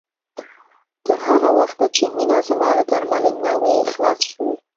تر هغه وخته چې مينه زما له درملنې نه وي خلاصه شوې